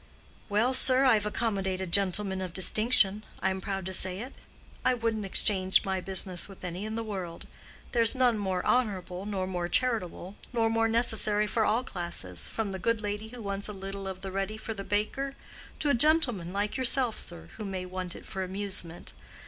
"Well, sir, I've accommodated gentlemen of distinction—I'm proud to say it. I wouldn't exchange my business with any in the world. There's none more honorable, nor more charitable, nor more necessary for all classes, from the good lady who wants a little of the ready for the baker, to a gentleman like yourself, sir, who may want it for amusement.